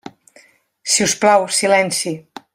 Si us plau, silenci.